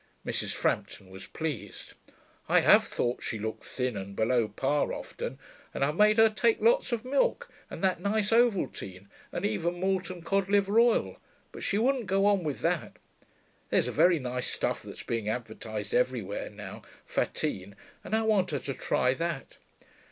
Mrs. Frampton was pleased. 'I have thought she looked thin and below par often, and I've made her take lots of milk, and that nice ovaltine, and even malt and cod liver oil, but she wouldn't go on with that. There's a very nice stuff that's being advertised everywhere now Fattine and I want her to try that.'